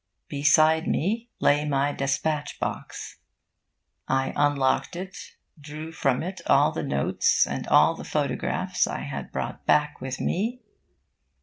Beside me lay my despatch box. I unlocked it, drew from it all the notes and all the photographs I had brought back with me.